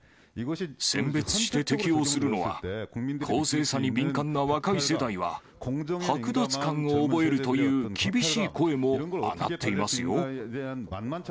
選別して適用するのは、公正さに敏感な若い世代は、剥奪感を覚えるという厳しい声も上がっていますよ。